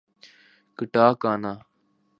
katakana